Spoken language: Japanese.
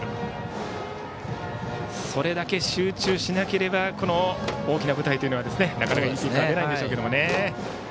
それだけ集中しなければこの大きな舞台というのはなかなか戦えないんでしょうけどね。